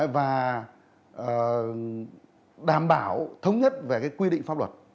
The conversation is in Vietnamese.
và đảm bảo thống nhất về cái quy định pháp luật